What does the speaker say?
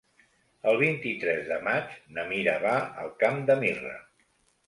El vint-i-tres de maig na Mira va al Camp de Mirra.